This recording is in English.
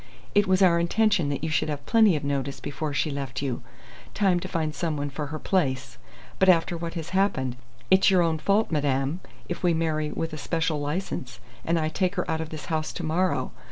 It was our intention that you should have plenty of notice before she left you, time to find someone for her place; but after what has happened, it's your own fault, madame, if we marry with a special licence, and I take her out of this house to morrow.